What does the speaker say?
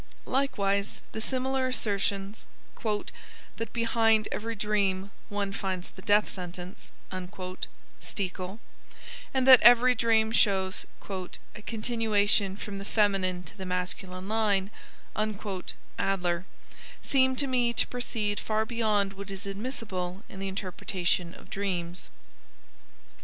Likewise the similar assertions "that behind every dream one finds the death sentence" (Stekel), and that every dream shows "a continuation from the feminine to the masculine line" (Adler), seem to me to proceed far beyond what is admissible in the interpretation of dreams.